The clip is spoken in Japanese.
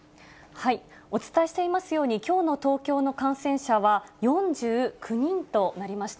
お伝えしていますように、きょうの東京の感染者は４９人となりました。